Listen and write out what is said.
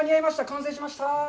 完成しました。